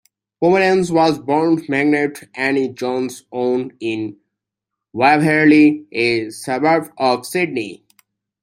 Pomeranz was born Margeret Anne Jones-Owen in Waverley, a suburb of Sydney.